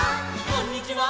「こんにちは」「」